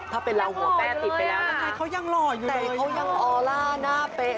ถ้าเป็นเราหัวแปรติดไปแล้วแต่เขายังออลล่าหน้าเป๊ะ